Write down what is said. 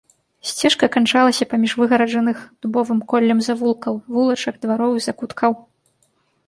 Сцежка канчалася паміж выгараджаных дубовым коллем завулкаў, вулачак, двароў і закуткаў.